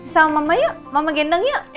sama mama yuk mama gendong yuk